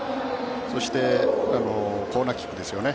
そしてコーナーキックですね。